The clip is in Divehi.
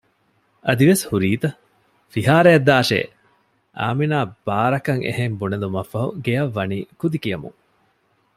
އަދިވެސް ހުރީތަ؟ ފިހާރައަށް ދާށޭ! އާމިނާ ބާރަކަށް އެހެން ބުނެލުމަށްފަހު ގެއަށް ވަނީ ކުދި ކިޔަމުން